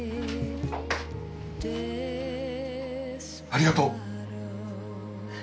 ありがとう。